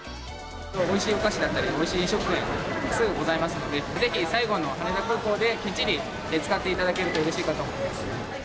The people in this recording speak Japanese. おいしいお菓子だったり、おいしい飲食店、そういうのがございますので、ぜひ、最後の羽田空港で、きっちり使っていただけるとうれしいかと思います。